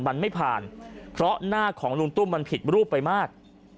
มันไม่ผ่านเพราะหน้าของลุงตุ้มมันผิดรูปไปมาก